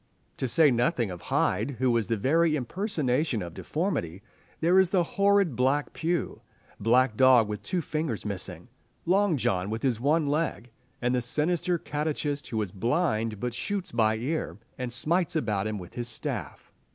To say nothing of Hyde, who was the very impersonation of deformity, there is the horrid blind Pew, Black Dog with two fingers missing, Long John with his one leg, and the sinister catechist who is blind but shoots by ear, and smites about him with his staff.